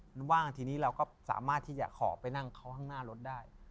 มันว่างทีนี้เราก็สามารถที่จะขอไปนั่งเขาข้างหน้ารถได้